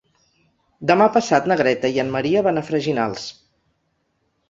Demà passat na Greta i en Maria van a Freginals.